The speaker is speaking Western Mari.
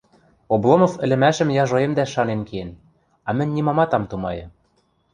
Обломов ӹлӹмӓшӹм яжоэмдӓш шанен киэн, а мӹнь нимамат ам тумайы.